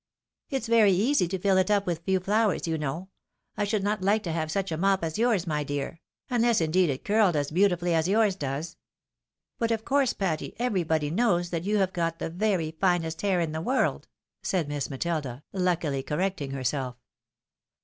" It's very easy to fiU it up with a few flowers, you know — ^I should not hke to have such a mop as yours, my dear — ^unless, indeed, it curled as beautifully as yours does. But, of course, Patty, everybody knows that you have got the very finest hair in the world," said Miss Matilda, luckily correcting herself.